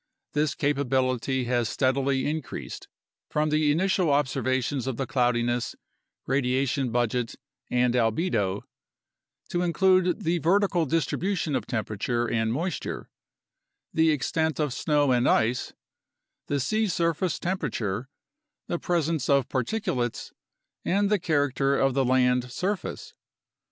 This capability has steadily in creased from the initial observations of the cloudiness, radiation budget, and albedo to include the vertical distribution of temperature and moisture, the extent of snow and ice, the sea surface temperature, the presence of particulates, and the character of the land surface.